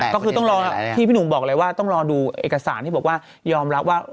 ก็คือต้องรอที่พี่หนุ่มบอกเลยว่าต้องรอดูเอกสารที่บอกว่ายอมรับว่า